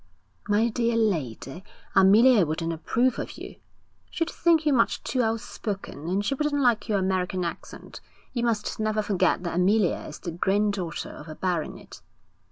'My dear lady, Amelia wouldn't approve of you. She'd think you much too outspoken, and she wouldn't like your American accent. You must never forget that Amelia is the granddaughter of a baronet.'